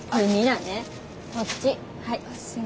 はい。